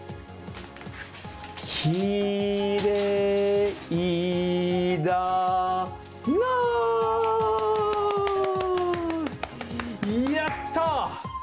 「きれいだな」やった！